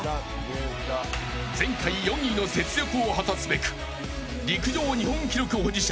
前回４位の雪辱を果たすべく陸上日本記録保持者